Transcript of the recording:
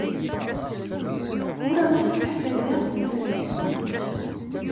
Ur awent-sseḥfayeɣ tiferyin-nwent.